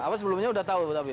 apa sebelumnya sudah tahu tapi